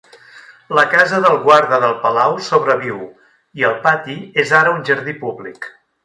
La casa del guarda del palau sobreviu i el pati és ara un jardí públic.